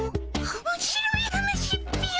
おもしろい話っピよ？